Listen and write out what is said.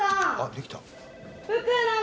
できた。